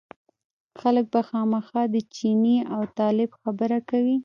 خلک به خامخا د چیني او طالب خبره کوي.